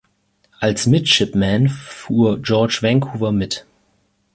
Als Midshipman fuhr George Vancouver mit.